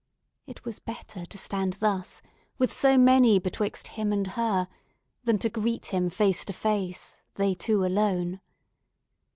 It was better to stand thus, with so many betwixt him and her, than to greet him face to face—they two alone.